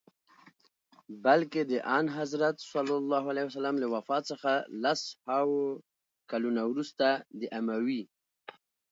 بلکه د آنحضرت ص له وفات څخه لس هاوو کلونه وروسته د اموي.